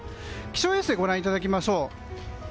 気象衛星ご覧いただきましょう。